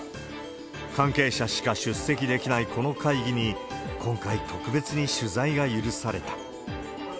関係者しか出席できないこの会議に、今回、特別に取材が許された。